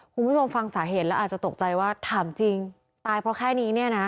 คุณผู้ชมฟังสาเหตุแล้วอาจจะตกใจว่าถามจริงตายเพราะแค่นี้เนี่ยนะ